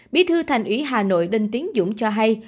bí thư thành ủy hà nội đinh tiến dũng cho hay